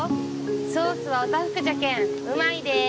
ソースはおたふくじゃけんうまいで。